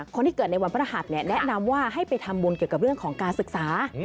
คนที่เกิดในวันพระหัสแนะนำว่าให้ไปทำบุญเกี่ยวกับเรื่องของการศึกษา